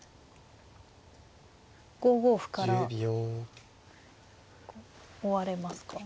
５五歩から追われますか。